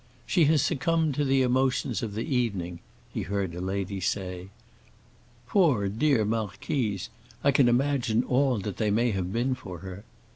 "She has succumbed to the emotions of the evening," he heard a lady say. "Poor, dear marquise; I can imagine all that they may have been for her!"